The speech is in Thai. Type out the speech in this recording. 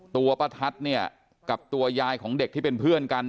ตัวป้าทัศน์เนี่ยกับตัวยายของเด็กที่เป็นเพื่อนกัน